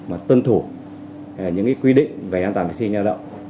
mà tuân thủ những quy định về an toàn vệ sinh lao động